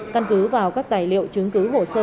căn cứ vào các tài liệu chứng cứ hồ sơ